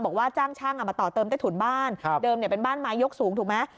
บอกว่าจ้างช่างมาต่อเติมใต้ถุนบ้านเดิมเป็นบ้านไม้ยกสูงถูกไหม